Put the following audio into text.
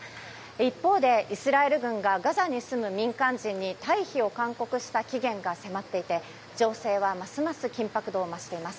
一方で、イスラエル軍がガザに住む民間人に退避を勧告した期限が迫っていて情勢はますます緊迫度を増しています。